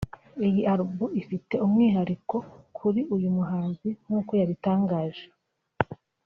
iyi alubu ifite umwihariko kuri uyu muhanzi nk’uko yabitangaje